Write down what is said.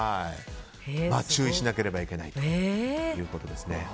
注意しなければいけないということです。